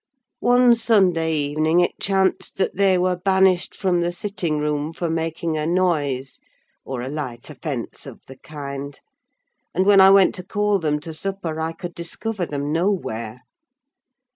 One Sunday evening, it chanced that they were banished from the sitting room, for making a noise, or a light offence of the kind; and when I went to call them to supper, I could discover them nowhere.